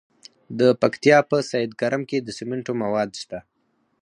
د پکتیا په سید کرم کې د سمنټو مواد شته.